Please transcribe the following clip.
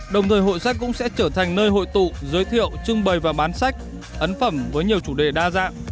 đồng thời hội sách cũng sẽ trở thành nơi hội tụ giới thiệu trưng bày và bán sách ấn phẩm với nhiều chủ đề đa dạng